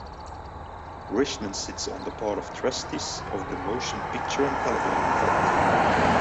Richman sits on the Board of Trustees of the Motion Picture and Television Fund.